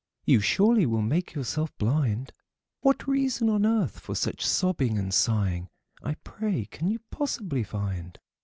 You surely will make yourself blind. What reason on earth for such sobbing and sighing, I pray, can you possibly find?